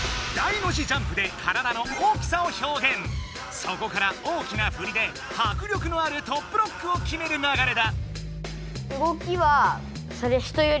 そこから大きなふりで迫力のあるトップロックをきめる流れだ。